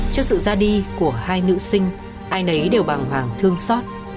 trước sự ra đi của hai nữ sinh ai nấy đều bàng hoàng thương xót